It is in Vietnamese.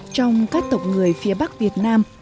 trời người mông sống ở núi